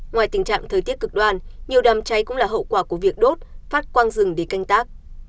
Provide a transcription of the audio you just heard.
ngoài tình trạng thời tiết cực đoan nhiều đám cháy cũng là hậu quả của việc đốt phát quang rừng để canh tác